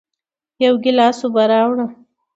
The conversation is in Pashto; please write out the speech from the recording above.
یو گیلاس اوبه راوړه